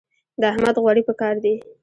د احمد غوړي په کار دي.